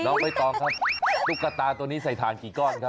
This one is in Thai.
น้องไม่ต้องครับตุ๊กตาตัวนี้ใส่ฐานกี่ก่อนครับ